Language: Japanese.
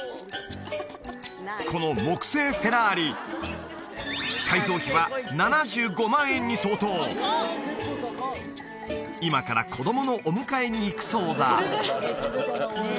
この木製フェラーリに相当今から子供のお迎えに行くそうだ